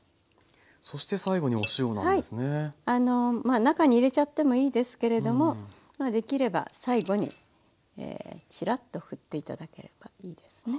まあ中に入れちゃってもいいですけれどもできれば最後にチラッとふって頂ければいいですね。